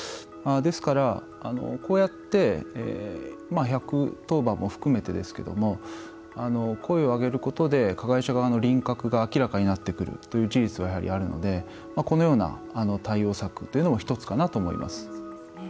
ですから、こうやって１１０番も含めてですけども声を上げることで加害者側の輪郭が明らかになってくるという事実は、やはりあるのでこのような対応策というのも１つかなと思います。